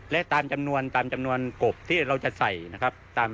และตามจำนวนกบที่เราจะใส่นะครับ